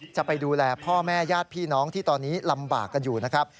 จะไปดูแลพ่อแม่ญาติพี่น้องที่ตอนนี้ลำบากกันอยู่นะครับ